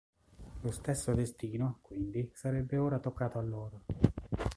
Lo stesso destino, quindi, sarebbe ora toccato a loro.